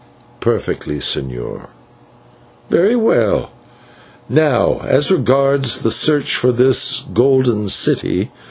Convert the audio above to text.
"Perfectly, señor." "Very well. And now as regards the search for this Golden City.